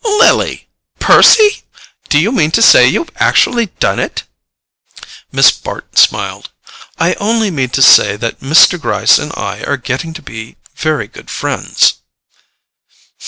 "Lily!——PERCY? Do you mean to say you've actually done it?" Miss Bart smiled. "I only mean to say that Mr. Gryce and I are getting to be very good friends."